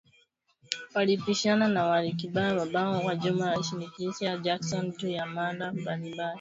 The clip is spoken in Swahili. Walipishana na wa Ripabliki ambao kwa ujumla walimshinikiza Jackson, juu ya mada mbalimbali .